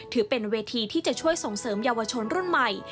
ถือเป็นเวทีที่จะช่วยส่งเสริมเยาวชนรุ่นใหม่